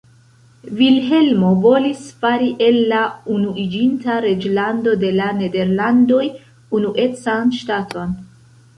Vilhelmo volis fari el la Unuiĝinta Reĝlando de la Nederlandoj unuecan ŝtaton.